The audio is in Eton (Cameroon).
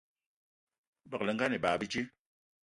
Begela ebag bíjé